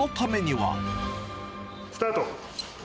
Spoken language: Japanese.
スタート！